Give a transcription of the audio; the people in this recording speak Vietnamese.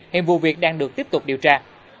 hệ vụ việc đang được tiếp tục điều tra